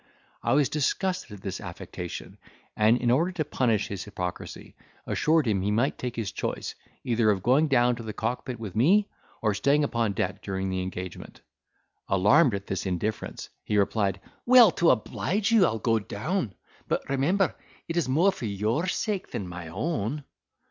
I was disgusted at this affectation; and, in order to punish his hypocrisy, assured him he might take his choice, either of going down to the cockpit with me, or staying upon deck during the engagement. Alarmed at this indifference, he replied, "Well, to oblige you, I'll go down, but remember it is more for your sake than my own."